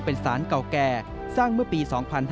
เก่าแก่สร้างเมื่อปี๒๕๑๔